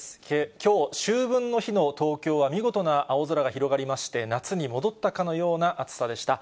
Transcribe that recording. きょう秋分の日の東京は、見事な青空が広がりまして、夏に戻ったかのような暑さでした。